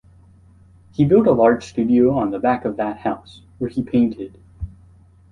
He built a large studio on the back of that house, where he painted.